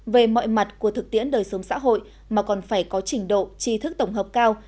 về mọi mặt của thực tiễn đời sống xã hội mà còn phải có trình độ trí thức tổng hợp cao